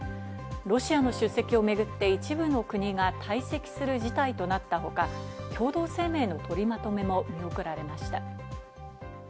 ロシアの出席をめぐって一部の国が退席する事態となったほか、共同声明の取りまとめも見送られました。